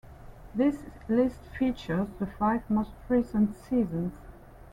This list features the five most recent seasons.